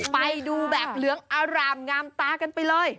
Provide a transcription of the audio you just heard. ไปดูแบบเหลืองอารามงามตากันไปเลย